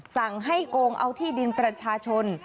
สั่งให้โกงเอาที่ดินประชาชน